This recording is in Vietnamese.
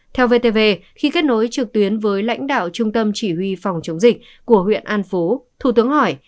theo vtv khi kết nối trực tuyến với lãnh đạo trung tâm chỉ huy phòng chống dịch của huyện an phú thủ tướng hỏi